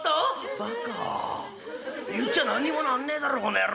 「バカ言っちゃ何にもなんねえだろこの野郎」。